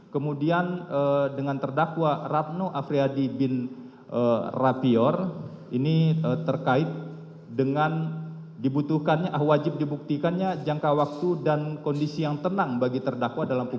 kemudian dengan terdakwa ratno afriyadi bin rapior ini terkait dengan dibutuhkannya wajib dibuktikannya jangka waktu dan kondisi yang tenang bagi terdakwa